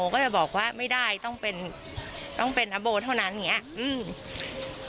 ก็จะบอกว่าไม่ได้ต้องเป็นต้องเป็นอโบเท่านั้นอย่างเงี้อืม